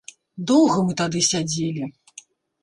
Доўга мы тады сядзелі.